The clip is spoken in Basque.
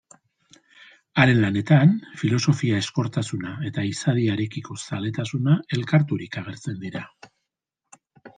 Haren lanetan filosofia-ezkortasuna eta izadiarekiko zaletasuna elkarturik agertzen dira.